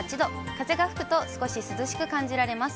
風が吹くと少し涼しく感じられます。